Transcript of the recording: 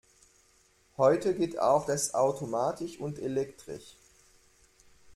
Heute geht auch das automatisch und elektrisch.